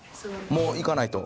もう行かないと。